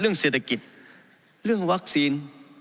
เรื่องเศรษฐกิจเรื่องวัคซีน